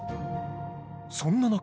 そんな中。